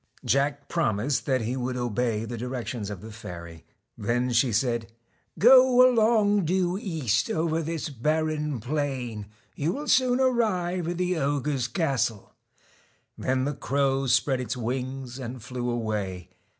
Jack promised that he would obey the directions of the fairy. Then she said :' Go along due east over this barren plain, you will soon arrive at the ogre's castle.' Then the crow spread its wings and flew away.